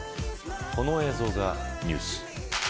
この映像がニュース。